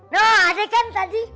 nah ada kan tadi